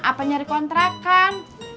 apa nyari kontrakan